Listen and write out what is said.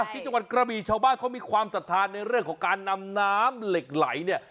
ที่จังหวัดกระบีชาวบ้านเขามีความศรัทธาในเรื่องของการนำน้ำเหล็กไหลเนี่ย